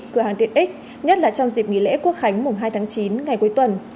cửa hàng tiện ích nhất là trong dịp nghỉ lễ quốc khánh mùng hai tháng chín ngày cuối tuần